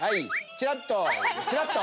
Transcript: ちらっとちらっと